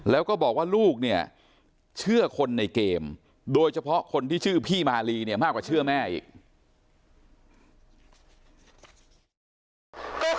แล้วก็บอกว่าลูกเนี่ยเชื่อคนในเกมโดยเฉพาะคนที่ชื่อพี่มาลีเนี่ยมากกว่าเชื่อแม่อีก